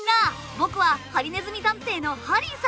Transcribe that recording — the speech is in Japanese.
僕はハリネズミ探偵のハリーさ。